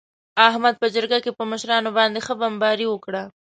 احمد په جرگه کې په مشرانو باندې ښه بمباري وکړه.